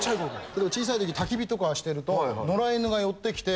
例えば小さい時焚火とかしてると野良犬が寄ってきて。